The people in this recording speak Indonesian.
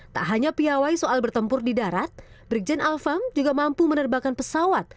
tak hanya piawai soal bertempur di darat brigjen alfam juga mampu menerbakan pesawat